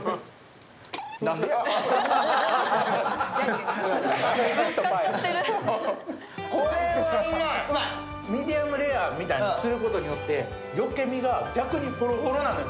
なんでやこれはうまいミディアムレアみたいにすることによって余計身が逆にホロホロなのよ